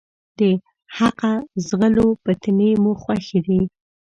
د حقه ځغلو ، فتنې مو خوښي دي.